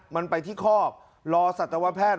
มันไปที่คอกรอสัตวแพทย์